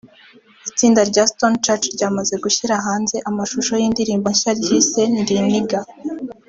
Itsinda rya Stone Church ryamaze gushyira hanze amashusho y’indirimbo nshya ryise ‘Ndi Nigga’